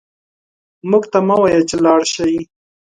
موږ ته مه وايه چې لاړ شئ